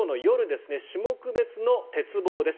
種目別の鉄棒です。